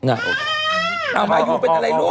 เอามายูเป็นอะไรลูก